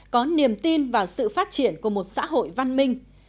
có niềm tin vào sự phát triển của một xã hội văn minh